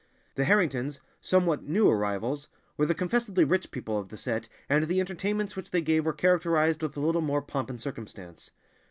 The Harringtons—somewhat new arrivals—were the confessedly rich people of the set, and the entertainments which they gave were characterized with a little more pomp and circumstance.